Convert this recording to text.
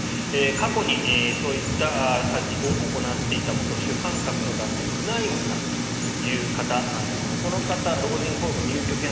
過去にそういった詐欺を行っていた元主犯格の男性フナイムさんという方なんですがこの方、老人ホーム入居権